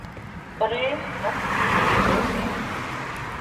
پريم هپ ٿِي ري سي